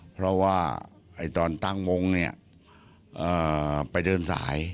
เพราะว่าตอนตั้งวงเนี่ยไปเดินสาย